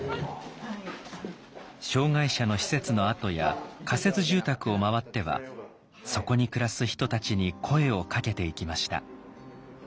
障害者の施設の跡や仮設住宅を回ってはそこに暮らす人たちに声をかけていきました。